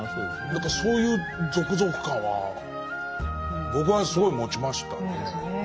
何かそういうゾクゾク感は僕はすごい持ちましたね。